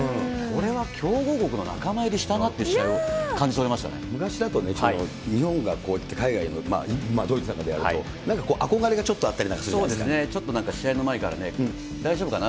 これは強豪国の仲間入りしたなっ昔だとね、日本が海外で、ドイツなんかでやると、なんか憧れがちょっとあったりするじゃなそうですね、ちょっと試合の前から大丈夫かな？